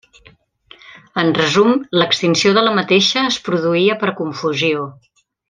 En resum, l'extinció de la mateixa es produïa per confusió.